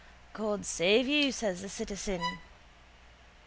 —God save you, says the citizen.